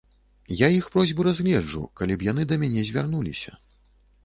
Я іх просьбу разгледжу, калі б яны да мяне звярнуліся.